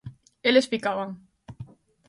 Eles ficaban.